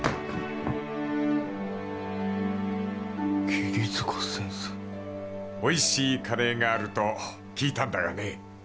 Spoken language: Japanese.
桐塚先生おいしいカレエがあると聞いたんだがね